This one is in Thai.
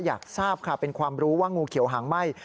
อยากทราบค่ะเป็นความรู้ว่างูเขียวหางไหม้